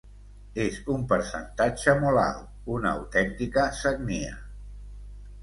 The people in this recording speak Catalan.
És un percentatge molt alt, una autèntica sagnia.